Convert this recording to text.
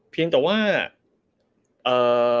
เพียงแต่ว่าเอ่อ